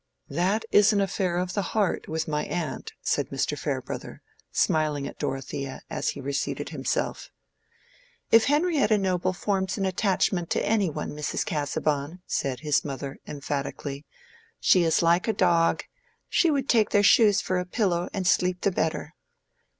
"That is an affair of the heart with my aunt," said Mr. Farebrother, smiling at Dorothea, as he reseated himself. "If Henrietta Noble forms an attachment to any one, Mrs. Casaubon," said his mother, emphatically,—"she is like a dog—she would take their shoes for a pillow and sleep the better."